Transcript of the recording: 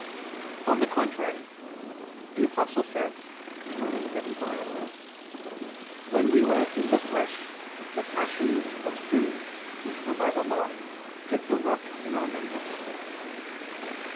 On the contrary, The Apostle says (Rom. 7:5): "When we were in the flesh, the passions of sins which were by the law, did the work in our members."